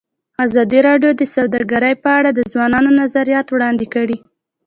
ازادي راډیو د سوداګري په اړه د ځوانانو نظریات وړاندې کړي.